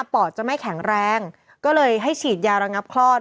อดจะไม่แข็งแรงก็เลยให้ฉีดยาระงับคลอด